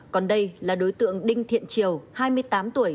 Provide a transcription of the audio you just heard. còn đây là đối tượng đinh thiện triều hai mươi tám tuổi